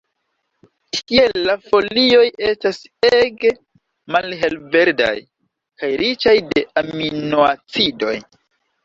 Tiel la folioj estas ege malhelverdaj kaj riĉaj je aminoacidoj.